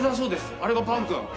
あれがパンくん。